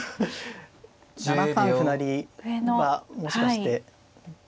７三歩成がもしかして。